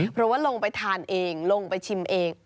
เพราะว่าลงไปทานเองลงไปชิมเอง